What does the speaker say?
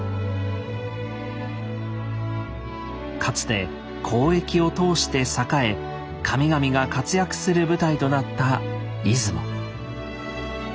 かつて交易を通して栄え神々が活躍する舞台となった出雲。